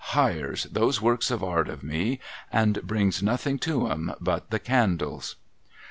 — hires those works of art of me, and brings nothing to 'em but the candles.